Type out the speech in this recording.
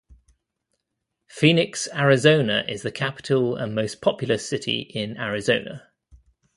Phoenix, Arizona is the capital and most populous city in Arizona.